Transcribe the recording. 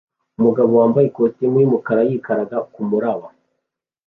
Umugabo wambaye ikositimu yumukara yikaraga kumuraba